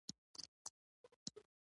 د جهاد فضيلت به يې بياناوه.